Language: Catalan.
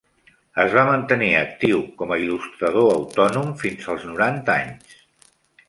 Es va mantenir actiu com a il·lustrador autònom fins als noranta anys.